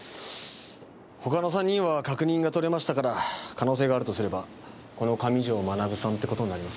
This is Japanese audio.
他の３人は確認が取れましたから可能性があるとすればこの「上条学」さんって事になりますね。